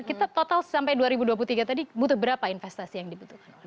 kita total sampai dua ribu dua puluh tiga tadi butuh berapa investasi yang dibutuhkan